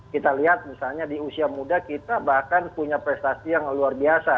kita lihat misalnya di usia muda kita bahkan punya prestasi yang luar biasa